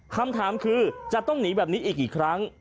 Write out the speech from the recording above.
คำถามคือจะต้องหนีแบบนี้อีกกี่ครั้ง